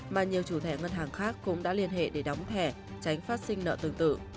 mà nhiều chủ thẻ ngân hàng khác cũng đã liên hệ để đóng thẻ tránh phát sinh nợ tương tự